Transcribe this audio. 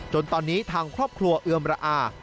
จนตอนนี้ทางครอบครัวเอือมระอา